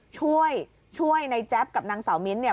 ช่วยช่วยในแจ๊บกับนางสาวมิ้นท์เนี่ย